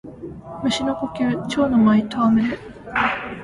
蟲の呼吸蝶ノ舞戯れ（ちょうのまいたわむれ）